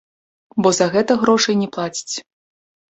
Бо за гэта грошай не плацяць.